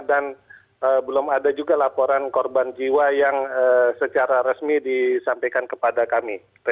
dan belum ada juga laporan korban jiwa yang secara resmi disampaikan kepada kami